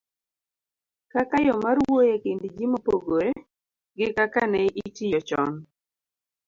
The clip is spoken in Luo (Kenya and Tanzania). kaka yo mar wuoyo e kind ji mopogore gi kaka ne itiyo chon.